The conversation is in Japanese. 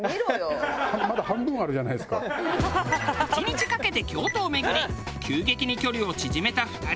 １日かけて京都を巡り急激に距離を縮めた２人。